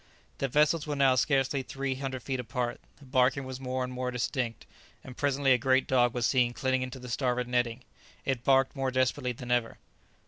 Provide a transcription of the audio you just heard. The vessels were now scarcely three hundred feet apart; the barking was more and more distinct, and presently a great dog was seen clinging to the starboard netting. It barked more desperately than ever.